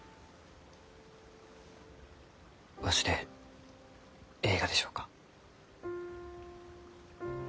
わしでえいがでしょうか？